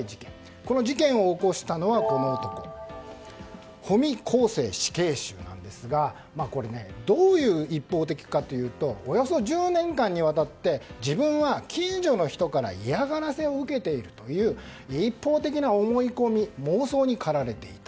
この事件を起こしたのは保見光成死刑囚なんですがこれ、どういう一般的かというとおよそ１０年間にわたって自分は近所の人から嫌がらせを受けているという一方的な思い込み妄想に駆られていた。